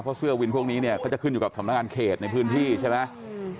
เพราะเสื้อวินพวกนี้ก็จะขึ้นอยู่กับสำนักการเครตในพื้นที่ใช่หรือเปล่า